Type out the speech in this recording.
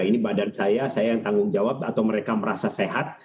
ini badan saya saya yang tanggung jawab atau mereka merasa sehat